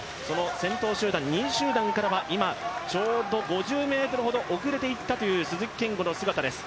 戦闘集団、２位集団からは今ちょうど５０ｍほど遅れていったという鈴木健吾の姿です。